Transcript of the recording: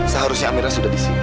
seharusnya amira sudah disini